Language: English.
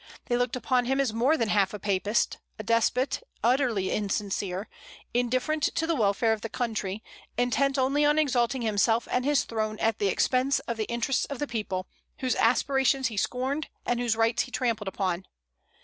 They looked upon him as more than half a Papist, a despot, utterly insincere, indifferent to the welfare of the country, intent only on exalting himself and his throne at the expense of the interests of the people, whose aspirations he scorned and whose rights he trampled upon.